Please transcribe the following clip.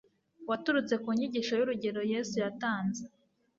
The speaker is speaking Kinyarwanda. waturutse ku nyigisho n'urugero Yesu yatanze.